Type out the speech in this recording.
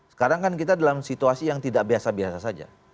sekarang kan kita dalam situasi yang tidak biasa biasa saja